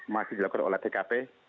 masih dilakukan oleh tkp